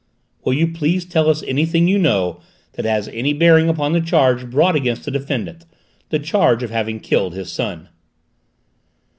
"Will you please tell us anything you know that has any bearing upon the charge brought against the defendant, the charge of having killed his son?"